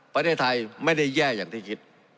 ประเทศไทยไม่ได้แย่อย่างที่คิด